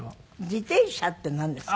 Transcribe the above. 自転車ってなんですか？